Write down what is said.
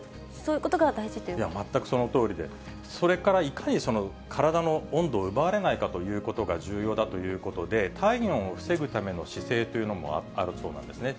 いや、全くそのとおりで、それからいかに体の温度を奪われないかということが重要だということで、低体温を防ぐための姿勢というのもあるそうなんですね。